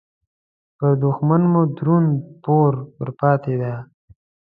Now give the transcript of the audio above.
پر دوښمن مو درون پور ورپاتې دې